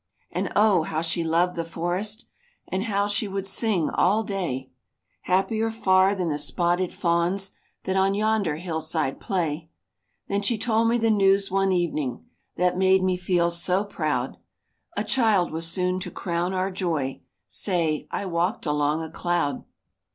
And Oh! how she loved the forest, And how she would sing all day; Happier far than the spotted fawns That on yonder hillside play. Then she told me the news one evening, That made me feel so proud; A child was soon to crown our joy; Say;—I walked along a cloud!